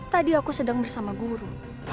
tadi aku sedang bersama guru